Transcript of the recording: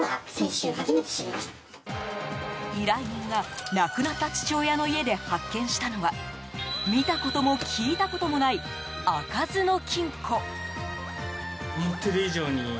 依頼人が亡くなった父親の家で発見したのは見たことも、聞いたこともない開かずの金庫。